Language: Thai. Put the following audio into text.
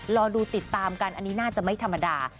รอดูติดตามกันอันนี้น่าจะไม่ธรรมดา